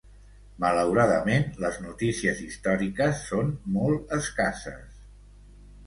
Malauradament les notícies històriques són molt escasses.